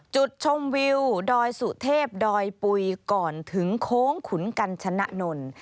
จุดชมวิวดอยสุเทพดอยปุ๋ยก่อนถึงโค้งขุนกัญชนะนนท์